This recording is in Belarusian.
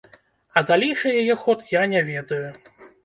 А далейшы яе ход я не ведаю.